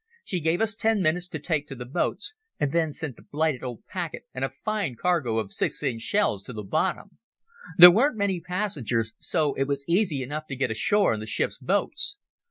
She gave us ten minutes to take to the boats, and then sent the blighted old packet and a fine cargo of 6 inch shells to the bottom. There weren't many passengers, so it was easy enough to get ashore in the ship's boats.